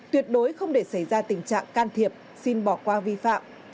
tuyệt đối không để xảy ra tình trạng can thiệp xin bỏ qua vi phạm